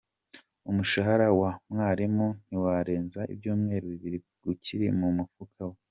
Umushahara wa mwarimu ntiwarenza ibyumweru bibiri ukiri mu mufuka we.